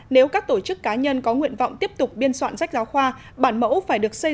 nếu các tổ chức cá nhân có nguyện vọng tiếp tục biên soạn sách giáo khoa bản mẫu phải được xây